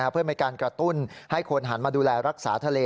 เพื่อเป็นการกระตุ้นให้คนหันมาดูแลรักษาทะเล